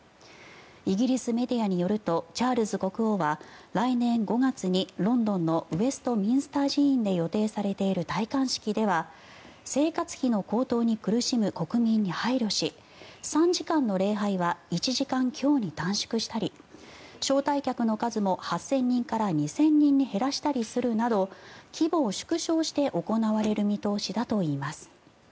イギリスメディアによるとチャールズ国王は来年５月にロンドンのウェストミンスター寺院で予定されている戴冠式では生活費の高騰に苦しむ国民に配慮し３時間の礼拝は１時間強に短縮したり招待客の数も８０００人から２０００人に減らしたりするなど規模を縮小して行われる見通しだといいます。